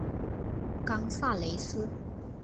冈萨雷斯。